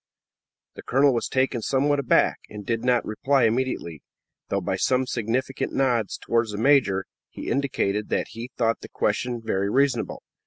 The colonel was taken somewhat aback, and did not reply immediately, though by some significant nods towards the major, he indicated that he thought the question very reasonable.